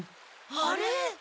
あれ。